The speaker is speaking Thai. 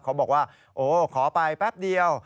เขาบอกว่าโอ้ขอไปแป๊บเดียว